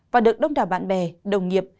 và được đông đà bạn bè đồng nghiệp